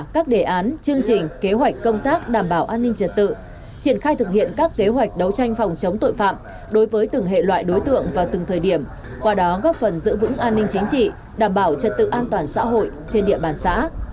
các đề án chương trình kế hoạch công tác đảm bảo an ninh trật tự triển khai thực hiện các kế hoạch đấu tranh phòng chống tội phạm đối với từng hệ loại đối tượng và từng thời điểm qua đó góp phần giữ vững an ninh chính trị đảm bảo trật tự an toàn xã hội trên địa bàn xã